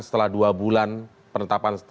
setelah dua bulan penetapan